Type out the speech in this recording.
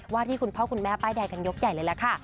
ที่คุณพ่อคุณแม่ป้ายแดงกันยกใหญ่เลยล่ะค่ะ